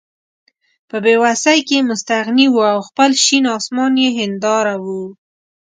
په بې وسۍ کې مستغني وو او خپل شین اسمان یې هېنداره وه.